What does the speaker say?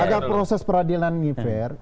agar proses peradilan ini fair